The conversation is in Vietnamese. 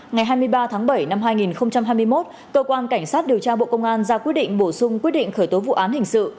ngày hai mươi ba tháng bảy năm hai nghìn hai mươi một cơ quan cảnh sát điều tra bộ công an ra quyết định bổ sung quyết định khởi tố vụ án hình sự